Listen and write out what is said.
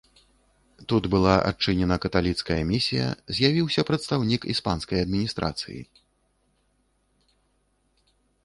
Тут была адчынена каталіцкая місія, з'явіўся прадстаўнік іспанскай адміністрацыі.